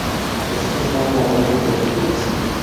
Estos son conjuntos de tuplas.